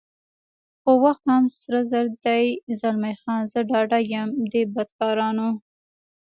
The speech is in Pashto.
خو وخت هم سره زر دی، زلمی خان: زه ډاډه یم دې بدکارانو.